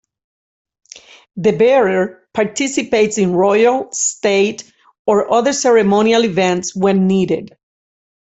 The bearer participates in royal, state, or other ceremonial events when needed.